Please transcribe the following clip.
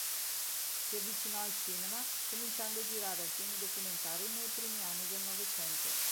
Si avvicinò al cinema, cominciando a girare alcuni documentari nei primi anni del Novecento.